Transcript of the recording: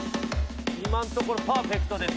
今のところパーフェクトです